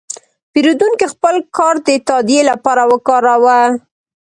پیرودونکی خپل کارت د تادیې لپاره وکاراوه.